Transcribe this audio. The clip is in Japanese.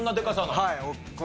はい。